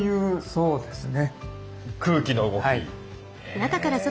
そうですね。